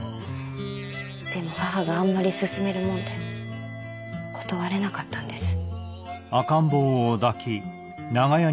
でも母があんまり勧めるもんで断れなかったんです。